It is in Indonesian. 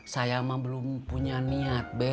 sayang mah belum punya niat be